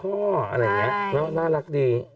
อันนั้นอยู่นะน่ารักดี